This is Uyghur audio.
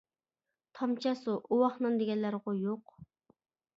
تامچە سۇ، ئۇۋاق نان دېگەنلەرغۇ يوق.